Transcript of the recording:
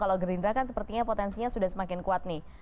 kalau gerindra kan sepertinya potensinya sudah semakin kuat nih